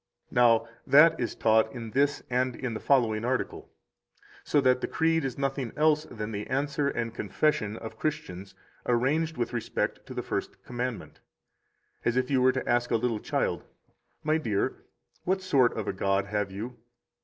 Now, that is taught in this and in the following article, so that the Creed is nothing else than the answer and confession of Christians arranged with respect to the First Commandment. As if you were to ask a little child: 11 My dear, what sort of a God have you?